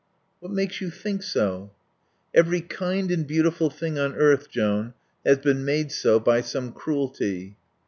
"What makes you think so?" "Every kind and beautiful thing on earth, Jeanne, has been made so by some cruelty."